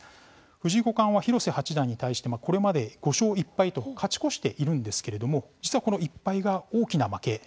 藤井五冠は広瀬八段に対しこれまで５勝１敗と勝ち越しているんですけれども実はこの１敗が大きな負けでした。